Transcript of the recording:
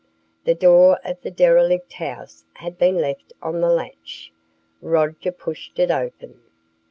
The door of the derelict house had been left on the latch. Roger pushed it open.